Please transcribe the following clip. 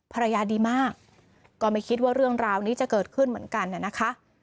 ภรรยาดีมากก็ไม่คิดว่าเรื่องราวนี้จะเกิดขึ้นเหมือนกันนะคะ